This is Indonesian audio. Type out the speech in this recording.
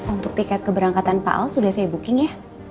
untuk tiket keberangkatan pak al sudah saya booking ya